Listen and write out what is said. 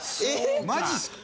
マジっすか？